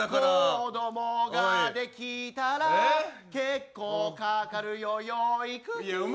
子供ができたら結構かかるよ養育費。